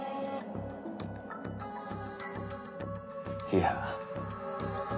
いや。